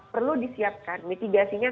perlu disiapkan mitigasinya